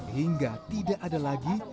hingga tidak ada lagi